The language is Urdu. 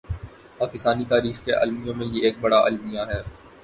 پاکستانی تاریخ کے المیوں میں یہ ایک بڑا المیہ ہے۔